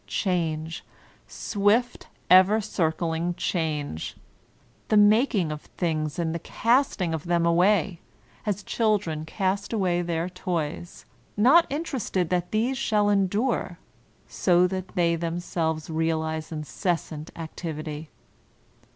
Change, swift, ever circling Change! The mak ing of things and the casting of them away, as children cast away their toys, not interested that these shall en dure, so that they themselves realize incessant activity.